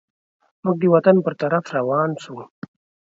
موږ د وطن پر طرف روان سوو.